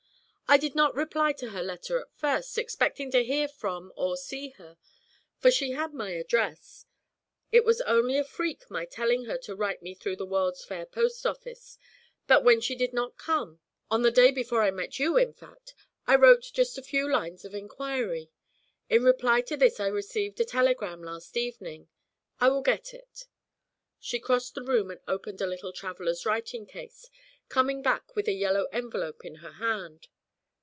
I did not reply to her letter at first, expecting to hear from or see her, for she had my address. It was only a freak my telling her to write me through the World's Fair post office; but when she did not come on the day before I met you, in fact I wrote just a few lines of inquiry. In reply to this I received a telegram last evening. I will get it.' She crossed the room and opened a little traveller's writing case, coming back with a yellow envelope in her hand.